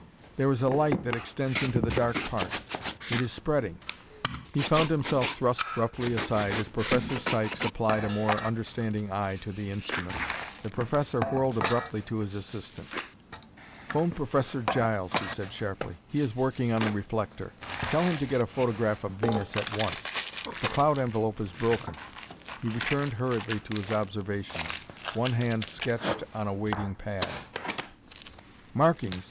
"There is a light that extends into the dark part. It is spreading "He found himself thrust roughly aside as Professor Sykes applied a more understanding eye to the instrument. The professor whirled abruptly to his assistant. "Phone Professor Giles," he said sharply; "he is working on the reflector. Tell him to get a photograph of Venus at once; the cloud envelope is broken." He returned hurriedly to his observations. One hand sketched on a waiting pad. "Markings!"